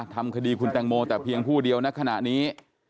ทำคดีคุณแตงโมแต่เพียงผู้เดียวในขณะนี้